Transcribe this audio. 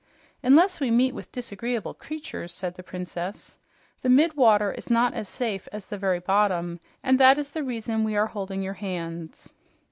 "Unless we meet with disagreeable creatures," said the Princess. "The mid water is not as safe as the very bottom, and that is the reason we are holding your hands."